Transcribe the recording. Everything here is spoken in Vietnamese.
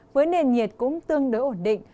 với nền nhiệt cũng tương đối ổn định